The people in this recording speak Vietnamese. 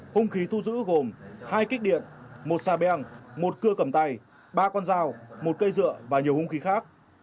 khung khí thu giữ gồm hai kích điện một xà beng một cưa cầm tay ba con dao một cây dựa và nhiều hung khí khác